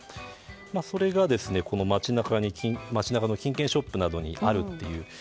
それが、街中の金券ショップなどにあるという。